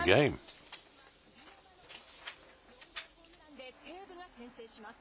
４号ホームランで西武が先制します。